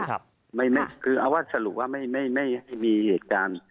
คือเอาว่าสรุปว่าไม่มีเหตุการณ์